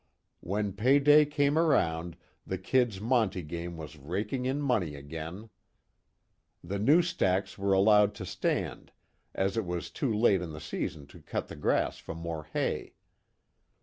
When pay day came around the "Kid's" monte game was raking in money again. The new stacks were allowed to stand, as it was too late in the season to cut the grass for more hay.